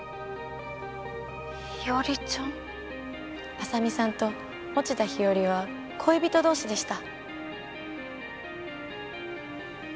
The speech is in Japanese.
浅海さんと田日和は恋人同士でした。